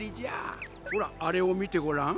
ほらあれを見てごらん。